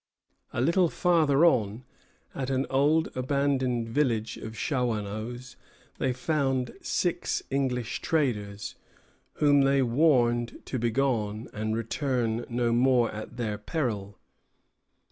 A little farther on, at an old abandoned village of Shawanoes, they found six English traders, whom they warned to begone, and return no more at their peril.